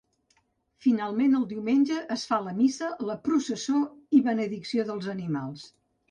Finalment el diumenge es fa la missa, la processó i benedicció dels animals.